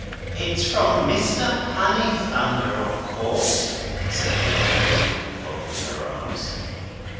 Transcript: "It's from Mr. Honeythunder, of course," said the old lady, folding her arms.